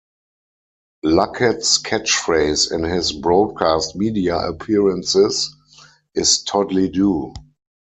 Luckett's catchphrase in his broadcast media appearances is Toodlee-doo.